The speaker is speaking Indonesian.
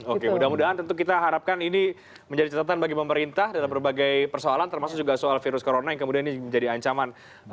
oke mudah mudahan tentu kita harapkan ini menjadi catatan bagi pemerintah dalam berbagai persoalan termasuk juga soal virus corona yang kemudian ini menjadi ancaman